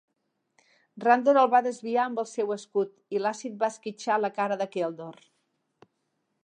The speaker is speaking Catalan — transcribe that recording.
Randor el va desviar amb el seu escut, i l'àcid va esquitxar la cara de Keldor.